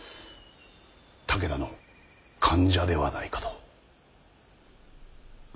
武田の間者ではないかと。